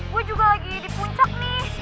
gue juga lagi di puncak nih